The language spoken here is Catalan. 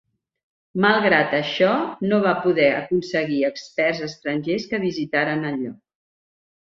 Malgrat això no va poder aconseguir experts estrangers que visitaren el lloc.